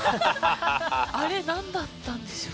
あれなんだったんでしょう？